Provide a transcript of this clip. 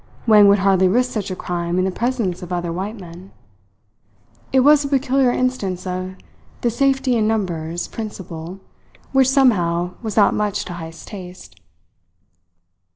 Wang would hardly risk such a crime in the presence of other white men. It was a peculiar instance of the "safety in numbers," principle, which somehow was not much to Heyst's taste.